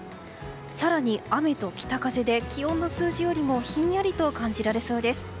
更に、雨と北風で気温の数字よりもひんやりと感じられそうです。